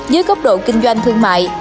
dưới góc độ kinh doanh thương mại